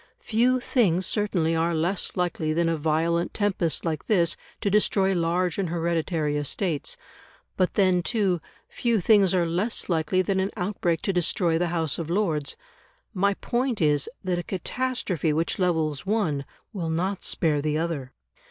Few things certainly are less likely than a violent tempest like this to destroy large and hereditary estates. But then, too, few things are less likely than an outbreak to destroy the House of Lords my point is, that a catastrophe which levels one will not spare the other.